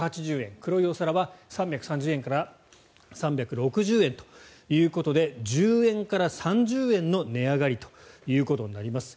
黒いお皿は３３０円から３６０円ということで１０円から３０円の値上がりということになります。